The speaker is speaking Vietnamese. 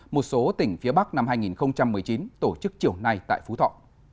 một số tỉnh phía bắc năm hai nghìn một mươi chín tổ chức chiều nay tại phú thọ